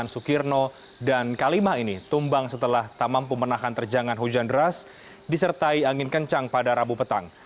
setelah tamam pemenahan terjangan hujan deras disertai angin kencang pada rabu petang